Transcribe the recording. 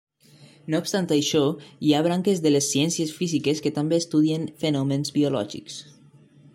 No obstant això, hi ha branques de les ciències físiques que també estudien fenòmens biològics.